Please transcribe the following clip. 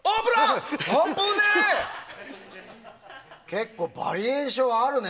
結構バリエーションあるね！